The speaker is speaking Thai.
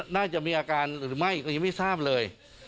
น่าจะมีอาการหรือไม่ก็ยังไม่ทราบเลย